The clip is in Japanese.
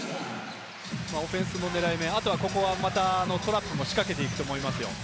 オフェンスの狙い目、ここはトラップも仕掛けていくと思いますよ。